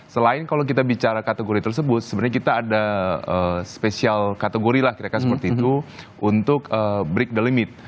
selain kalau kita bicara kategori tersebut sebenarnya kita ada spesial kategori lah kira kira seperti itu untuk break the limit